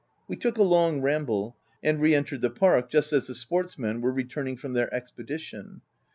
We took a long ramble and re entered the park just as the sportsmen were returning from their expedition.